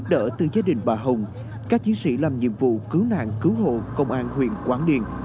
nhận được thông tin cần giúp đỡ từ gia đình bà hồng các chiến sĩ làm nhiệm vụ cứu nạn cứu hộ công an huyện quảng điền